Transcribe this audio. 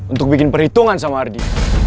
untuk bikin perhitungan sama ardi